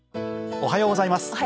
おはようございます。